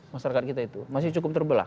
masyarakat kita itu masih cukup terbelah